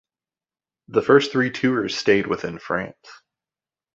The first three Tours stayed within France.